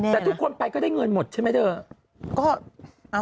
แต่ทุกคนไปก็ได้เงินหมดใช่ไหมเธอ